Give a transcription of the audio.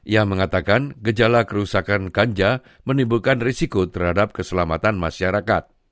ia mengatakan gejala kerusakan ganja menimbulkan risiko terhadap keselamatan masyarakat